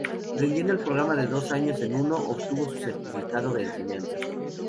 Rindiendo el programa de dos años en uno, obtuvo su certificado de enseñanza.